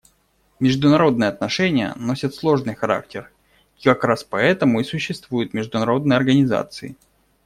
Международные отношения носят сложный характер, и как раз поэтому и существуют международные организации.